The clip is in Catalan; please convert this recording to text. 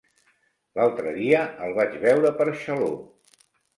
L'altre dia el vaig veure per Xaló.